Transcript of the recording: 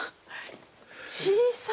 小さい。